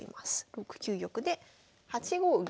６九玉で８五銀。